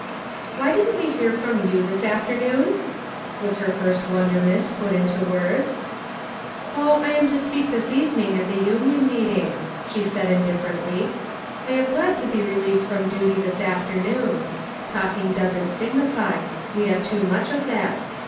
" Why didn't we hear from you this after noon ?" was her first wonderment put into words. " Oh, I am to talk this evening at the union meeting," she said, indifferently ;" I am glad to be relieved from duty this afternoon. Talking doesn't signify; we have too much of that.